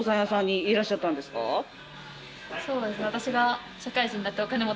そうですね